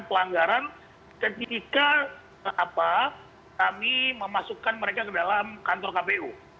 pelanggaran ketika kami memasukkan mereka ke dalam kantor kpu